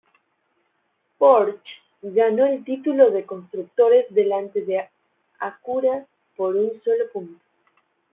Porsche ganó el título de constructores delante de Acura por un solo punto.